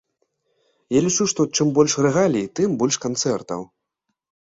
Я лічу, што чым больш рэгалій, тым больш канцэртаў.